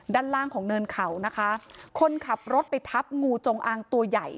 ด้านล่างของเนินเขานะคะคนขับรถไปทับงูจงอางตัวใหญ่